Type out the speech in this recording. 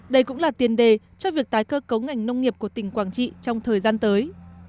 đây cũng là tiền đề cho việc tái cơ cấu ngành nông nghiệp của tỉnh quảng trị trong thời gian tới